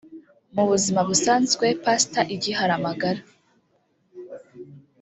Mu buzima busanzwe Pastor Igiharamagara